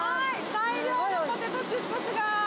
大量のポテトチップスが。